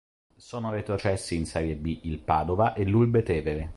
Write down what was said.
Sono retrocessi in Serie B il Padova e l'Urbe Tevere.